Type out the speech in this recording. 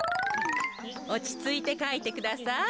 おちついてかいてください。